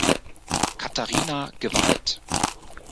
Katharina geweiht.